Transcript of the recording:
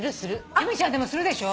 由美ちゃんでもするでしょ？